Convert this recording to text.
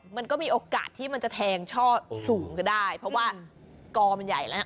มันก็มีโอกาสที่มันจะแทงช่อสูงก็ได้เพราะว่ากอมันใหญ่แล้ว